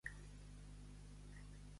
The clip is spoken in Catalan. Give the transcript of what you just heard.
Celebrar els divins oficis.